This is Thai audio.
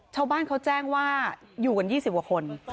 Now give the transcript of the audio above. ชาวบ้านเขาแจ้งว่าอยู่กัน๒๐กว่าคน